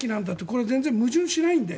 これは全然矛盾しないんで。